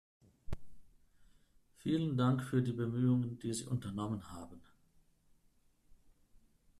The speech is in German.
Vielen Dank für die Bemühungen, die Sie unternommen haben.